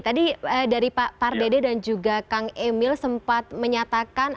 tadi dari pak pardede dan juga kang emil sempat menyatakan